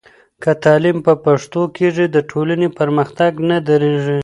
که تعلیم په پښتو کېږي، د ټولنې پرمختګ نه درېږي.